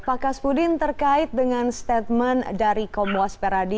pak kas pudin terkait dengan statement dari komboas peradi